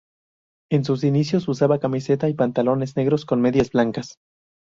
En sus inicios usaba camiseta y pantalones negros, con medias blancas.